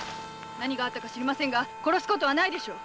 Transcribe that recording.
何があったか知りませんが殺すことはないでしょう！